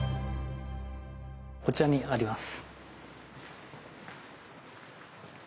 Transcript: こちらにあります。